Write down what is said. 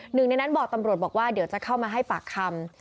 หนึ่งในนั้นบอกตำรวจบอกว่าเดี๋ยวจะเข้ามาให้ปากคำ